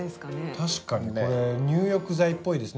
確かにこれ入浴剤っぽいですね。